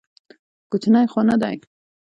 کوچنى خو نه دى.